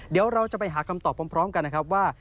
เดี๋ยวเราจะไปหาคำตอบพร้อมกันนะครับว่า